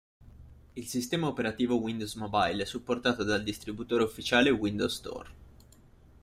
Il sistema operativo Windows Mobile è supportato dal distributore ufficiale Windows Store.